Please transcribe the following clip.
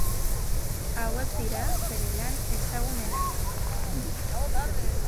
Hauek dira bere lan ezagunenak.